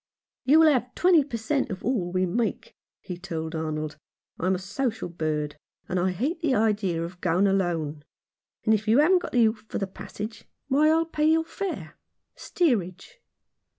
"You shall have twenty per cent, of all we make," he told Arnold. " I'm a social bird, and hate the idea of going alone. And if you haven't got the oof for the passage, why, I'll pay your fare — steerage."